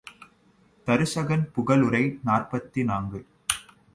தருசகன் புகழுரை நாற்பத்து நான்கு.